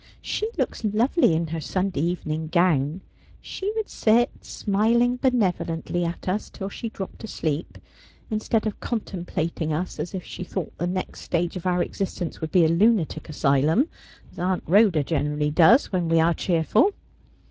' She looks lovely in her Sunday evening gown. She would sit smiling benevolently at us till she dropped asleep ; instead of contemplating us as if she thought the next stage of our existence would be a lunatic asylum, as Aunt Rhoda generally does when we are cheerful.'